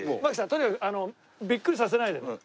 とにかくあのビックリさせないで。